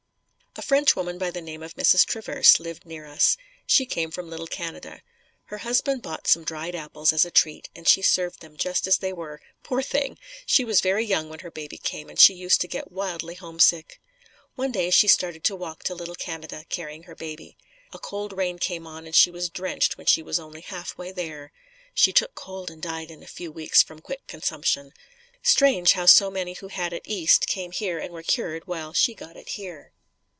A French woman by the name of Mrs. Traverse lived near us. She came from Little Canada. Her husband bought some dried apples as a treat and she served them just as they were. Poor thing! She was very young when her baby came and she used to get wildly homesick. One day, she started to walk to Little Canada carrying her baby. A cold rain came on and she was drenched when she was only half way there. She took cold and died in a few weeks from quick consumption. Strange how so many who had it east, came here and were cured, while she got it here.